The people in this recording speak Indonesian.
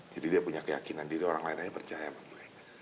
jadi dia punya keyakinan diri orang lainnya percaya sama dia